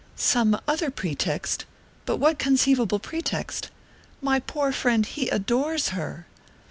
"Some other pretext? But what conceivable pretext? My poor friend, he adores her!"